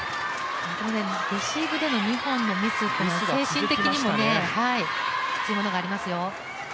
レシーブでの２本のミスというのは精神的にもきついものがありますよ。